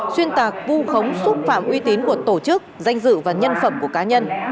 xuyên tạc vu khống xúc phạm uy tín của tổ chức danh dự và nhân phẩm của cá nhân